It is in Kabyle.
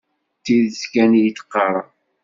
D tidet kan i d-qqareɣ.